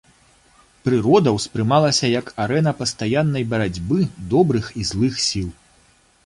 Прырода ўспрымалася як арэна пастаяннай барацьбы добрых і злых сіл.